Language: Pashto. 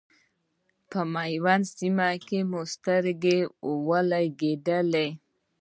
په میوند سیمه کې مو سترګې ولګېدلې.